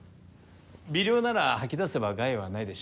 微量なら吐き出せば害はないでしょう。